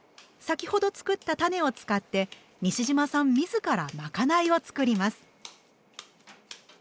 先ほど作ったたねを使って西島さん自らまかないを作ります。